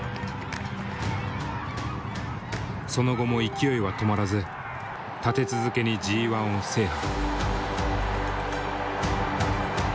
その後も勢いは止まらず立て続けにＧ１を制覇。